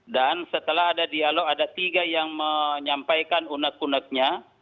dan setelah ada dialog ada tiga yang menyampaikan unek uneknya